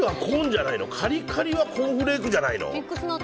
カリカリはコーンフレークじゃないの？